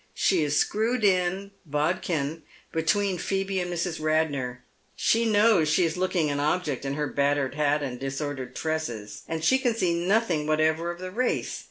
She is screwed in, bodkin, between Phoebe and Mrs. Eadnor. She knows she is looking an object in lier battered hat and disordered tresses, and she can see nothing whatever of the race.